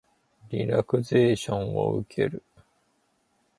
リラクゼーションを受ける